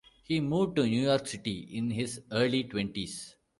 He moved to New York City in his early twenties.